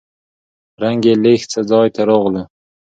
رنګ يې لېږ څه ځاى ته راغلو.